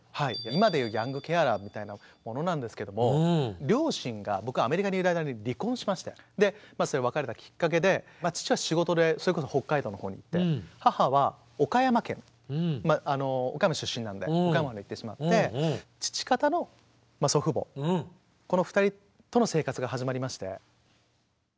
今で言うヤングケアラーみたいなものなんですけども両親が僕がアメリカにいる間に離婚しまして別れたきっかけで父は仕事でそれこそ北海道の方に行って母は岡山県岡山出身なので岡山の方へ行ってしまって父方の祖父母この２人との生活が始まりまして。